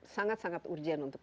sangat sangat urgen untuk